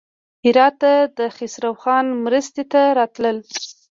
هراته د خسروخان مرستې ته راتلل.